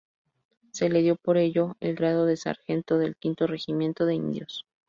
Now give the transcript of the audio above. Se le dio por ello el grado de sargento del Quinto Regimiento de Indios.